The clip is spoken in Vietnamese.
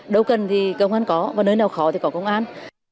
đâu cần thì công an có và nơi nào khó thì có công an